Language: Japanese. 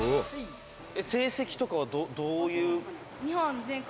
「成績とかはどういう？」